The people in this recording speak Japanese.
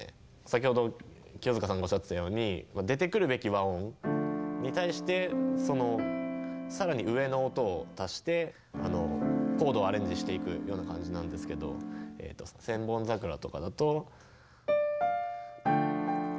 先ほど清塚さんがおっしゃってたように出てくるべき和音に対してそのさらに上の音を足してコードをアレンジしていくような感じなんですけど「千本桜」とかだと。